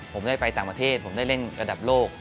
ผมได้ไปต่างประเทศผมได้เล่นระดับโลก